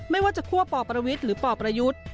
ไม่ว่าจะคั่วป่อประวิทย์หรือปประยุทธ์